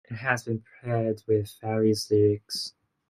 It has been paired with various lyrics.